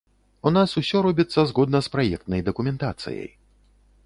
У нас усё робіцца згодна з праектнай дакументацыяй.